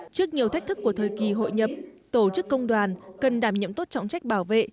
trước nhiều thách thức của thời kỳ hội nhấm tổ chức công đoàn cần đảm nhiệm tốt trọng trách bảo vệ